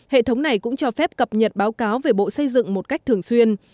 hệ thống này cũng cho phép cập nhật báo cáo về bộ xây dựng một cách thường xuyên